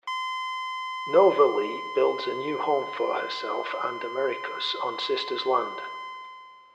Novalee builds a new home for herself and Americus on Sister's land.